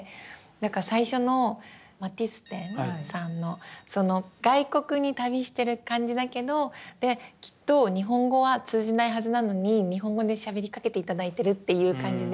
最初のマティス展さんのその外国に旅してる感じだけどできっと日本語は通じないはずなのに日本語でしゃべりかけて頂いてるっていう感じで。